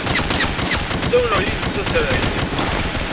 Ssawleɣ yid-s asrag.